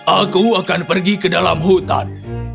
aku akan pergi ke dalam hutan